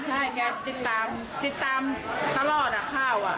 ใช่แกติดตามติดตามตลอดอ่ะข่าวอ่ะ